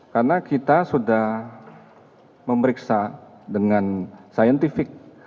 karena kita sudah memeriksa dengan saintifik